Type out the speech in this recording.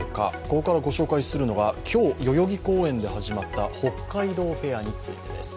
ここからご紹介するのが今日、代々木公園で始まった北海道フェアについてです。